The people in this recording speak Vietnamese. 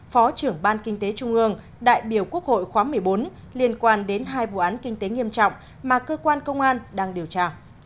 phó trưởng ban kinh tế trung ương đại biểu quốc hội khóa một mươi bốn liên quan đến hai vụ án kinh tế nghiêm trọng mà cơ quan công an đang điều tra